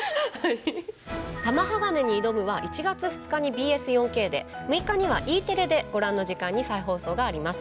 「玉鋼に挑む」は１月２日にＢＳ４Ｋで６日にはＥテレでご覧の時間に再放送があります。